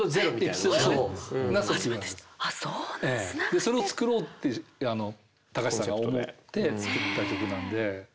それを作ろうって隆さんが思って作った曲なんで。